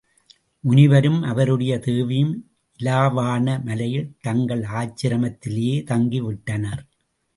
முனிவரும் அவருடைய தேவியும் இலாவாண மலையில் தங்கள் ஆசிரமத்திலேயே தங்கிவிட்டனர்.